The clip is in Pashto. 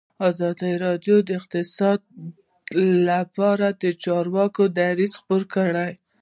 ازادي راډیو د اقتصاد لپاره د چارواکو دریځ خپور کړی.